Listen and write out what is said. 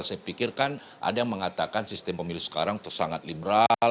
saya pikirkan ada yang mengatakan sistem pemilu sekarang itu sangat liberal